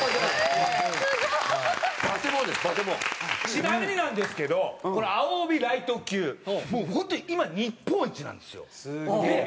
ちなみになんですけどこの青帯ライト級もう本当に今日本一なんですよ。